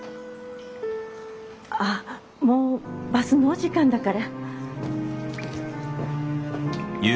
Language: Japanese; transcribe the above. あっもうバスの時間だから。